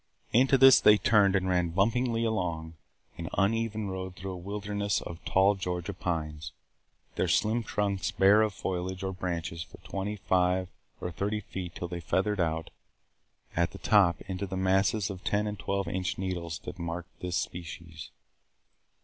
Into this they turned and ran bumpingly along an uneven road through a wilderness of tall Georgia pines, their slim trunks bare of foliage or branches for twenty five or thirty feet till they feathered out at the top into the masses of ten and twelve inch needles that mark this species.